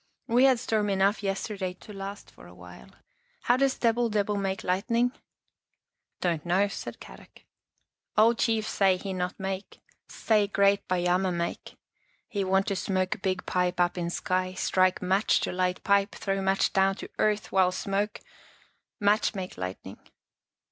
" We had storm enough yesterday to last for awhile. How does Debil debil make lightning? "" Don't know," said Kadok. " Old chief say no Our Little Australian Cousin he not make. Say Great Baiame make. He want to smoke big pipe up in sky, strike match to light pipe, throw match down to earth, while smoke — match make lightning."